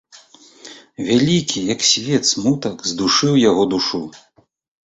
Вялікі, як свет, смутак здушыў яго душу.